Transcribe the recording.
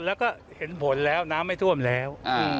แล้วก็เห็นผลแล้วน้ำไม่ท่วมแล้ว